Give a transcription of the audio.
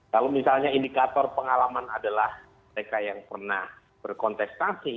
kalau misalnya indikator pengalaman adalah mereka yang pernah berkontestasi